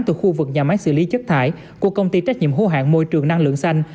từ khu vực nhà máy xử lý chất thải của công ty trách nhiệm hô hạn môi trường năng lượng xanh